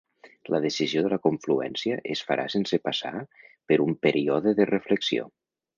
La decisió de la confluència es farà sense passar per un període de reflexió